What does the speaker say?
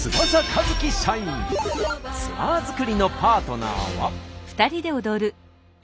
ツアー作りのパートナーは。